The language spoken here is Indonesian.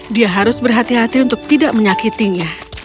dia harus berhati hati untuk tidak menyakitinya